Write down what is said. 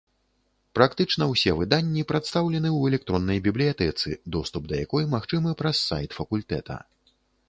Практычна ўсе выданні прадстаўлены ў электроннай бібліятэцы, доступ да якой магчымы праз сайт факультэта.